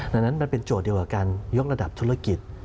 ดังนั้นมันเป็นโจทย์เดียวกับการยกระดับธุรกิจ